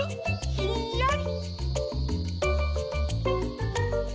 ひんやり。